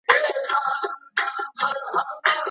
په فاسده نکاح کي طلاق صحت نلري.